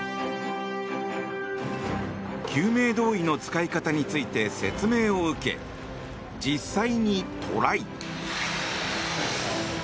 救命胴衣の使い方について説明を受け、実際にトライ。